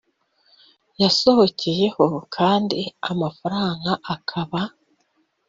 Yasohokeyeho kandi amafaranga akaba